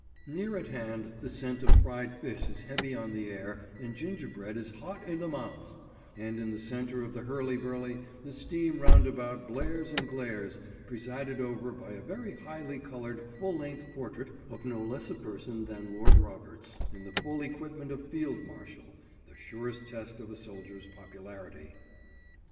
Near at hand, the scent of fried fish is heavy on the air and gingerbread is hot i' the mouth, and in the centre of the hurly burly the steam roundabout blares and glares, presided over by a very highly coloured full length portrait of no less a person than Lord Roberts, in the full equipment of Field Marshal; the surest test of a soldier's popularity.